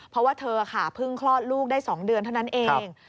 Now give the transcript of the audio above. เพราะว่าเธอค่ะเพิ่งคลอดลูกได้๒เดือนเท่านั้นเอง